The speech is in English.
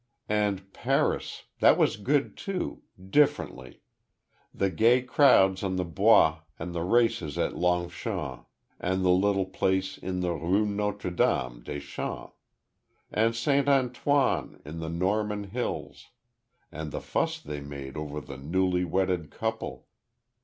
"And Paris. That was good, too differently. The gay crowds on the Bois, and the races at Longchamps, and the little place in the Rue Notre Dame des Champs and Saint Antoine, in the Norman hills and the fuss they made over the newly wedded couple!